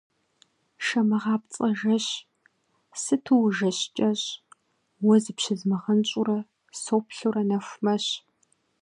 Шэмыгъапцӏэ жэщ, сыту ужэщ кӏэщӏ, уэ зыпщызмыгъэнщӏурэ, соплъурэ нэху мэщ.